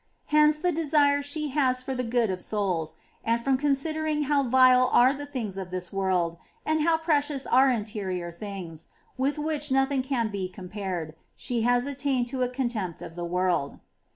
Hence the desire she has for the good of souls ; and from considering how vile are the things of this world, and how precious are interior things, with which nothing can be compared, she has attained to a contempt of the world.